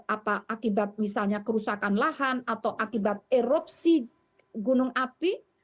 apa akibat misalnya kerusakan lahan atau akibat erupsi gunung api